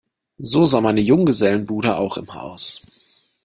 So sah meine Junggesellenbude auch immer aus.